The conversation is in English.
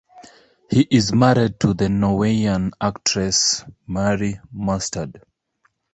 He is married to the Norwegian actress Mari Maurstad.